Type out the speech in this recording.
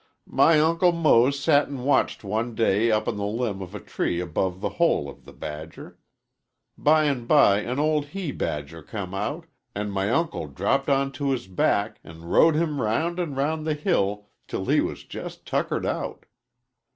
"My Uncle Mose sat an' watched one day up in the limb of a tree above the hole of a badger. By an' by an ol' he badger come out, an' my uncle dropped onto his back, an' rode him round an' round the hill 'til he was jes' tuckered out.